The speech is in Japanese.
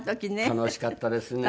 楽しかったですね。